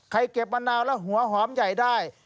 เก็บมะนาวแล้วหัวหอมใหญ่ได้